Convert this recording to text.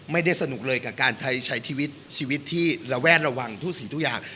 ไม่ได้สนุกเลยกับการใช้ชีวิตชีวิตที่ระแวดระวังทุกสิ่งทุกอย่าง